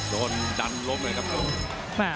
โดนดันล้มเลยครับ